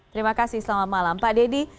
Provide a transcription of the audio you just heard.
terima kasih selama malam pak dedy